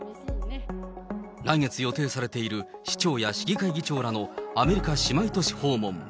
来月予定されている市長や市議会議長らのアメリカ姉妹都市訪問。